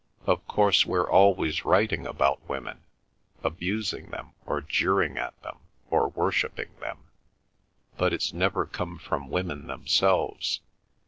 Of course we're always writing about women—abusing them, or jeering at them, or worshipping them; but it's never come from women themselves.